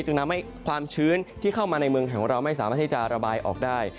จึงทำให้ความชื้นที่เข้ามาในเมืองไทยของเราไม่สามารถที่จะระบายออกได้